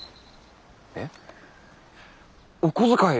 えっお小遣い